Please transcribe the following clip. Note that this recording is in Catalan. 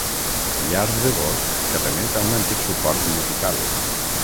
Llars de gos que remet a un antic suport musical.